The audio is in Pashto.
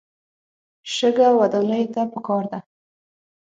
شګه ودانیو ته پکار ده.